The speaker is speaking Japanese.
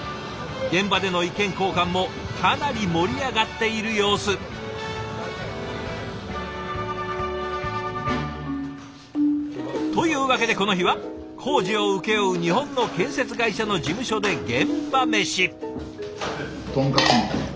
現場での意見交換もかなり盛り上がっている様子。というわけでこの日は工事を請け負う日本の建設会社の事務所で現場メシ！